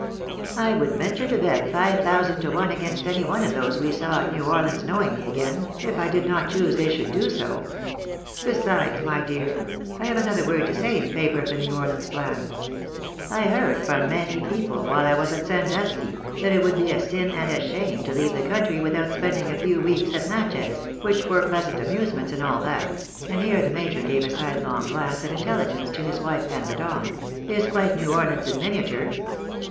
I would venture to bet five thousand to one against any one of those we saw at New Orleans knowing me again, if I did not choose they should do so. Besides, my dear, I have another word to say in favour of the New Orleans plan. I heard from many people, while I was at Sandusky, that it would be a sin and a shame to leave the country without spending a few weeks at Natchez, which for pleasant amusements and all that " (and here the major gave a sidelong glance of intelli gence to his wife and the Don) " is quite New Orleans in miniature.